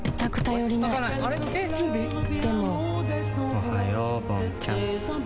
おはようぼんちゃん。